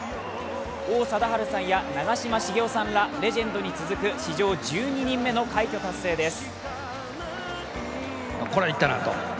王貞治さんや長嶋茂雄らレジェンドに続く史上１２人目の快挙達成です。